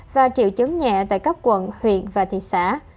và triệu chứng nhẹ tại các quận huyện và thị xã